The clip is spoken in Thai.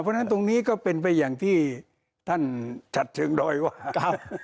เพราะฉะนั้นตรงนี้ก็เป็นไปอย่างที่ท่านฉัดเชิงดอยว่า